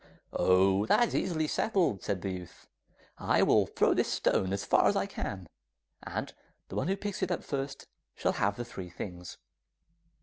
'Oh, that is easily settled,' said the youth. 'I will throw this stone as far as I can, and the one who picks it up first, shall have the three things.